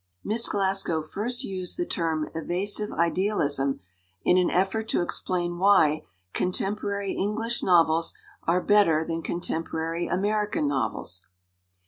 Miss Glasgow first used the term "evasive ideal ism" in an effort to explain why contemporary English novels are better than contemporary American novels.